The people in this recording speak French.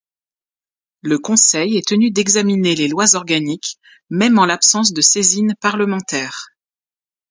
Le Conseil est tenu d'examiner les lois organiques même en l'absence de saisine parlementaire.